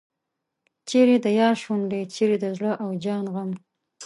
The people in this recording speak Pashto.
چیرې د یار شونډې چیرې د زړه او جان غم.